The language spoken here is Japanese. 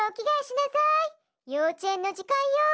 ようちえんのじかんよ！